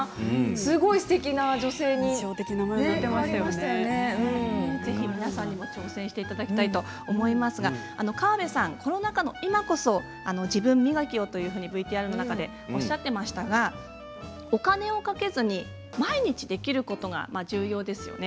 すごくすてきな女性にぜひ皆さんにも挑戦していただきたいと思いますけど川邉さんはコロナ禍の今こそ自分磨きをとＶＴＲの中でおっしゃっていましたがお金をかけず毎日できることが重要ですよね。